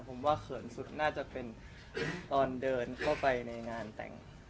ผมว่าเขินสุดน่าจะเป็นตอนเดินเข้าไปในงานแต่ง